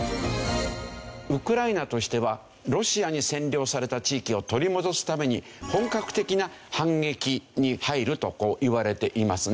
ウクライナとしてはロシアに占領された地域を取り戻すために本格的な反撃に入るといわれていますね。